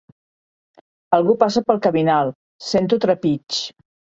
Algú passa pel caminal: sento trepig.